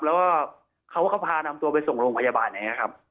แล้วก็เขาก็พานำตัวไปส่งโรงพยาบาลอย่างนี้ครับ